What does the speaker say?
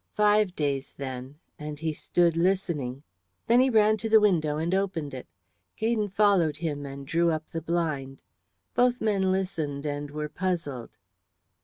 "Five days, then," and he stood listening. Then he ran to the window and opened it. Gaydon followed him and drew up the blind. Both men listened and were puzzled.